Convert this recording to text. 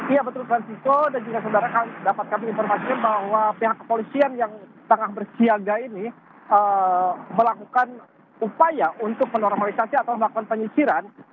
iya betul francisco dan juga saudara dapat kami informasikan bahwa pihak kepolisian yang tengah bersiaga ini melakukan upaya untuk menormalisasi atau melakukan penyisiran